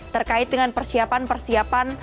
terkait dengan persiapan persiapan